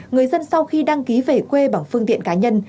người dân sau khi đăng ký về quê bằng phương tiện cá nhân